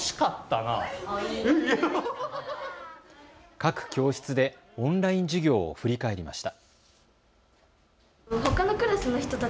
各教室でオンライン授業を振り返りました。